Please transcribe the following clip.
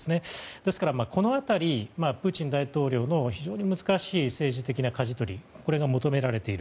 ですから、この辺りプーチン大統領の非常に難しい政治的なかじ取りが求められている。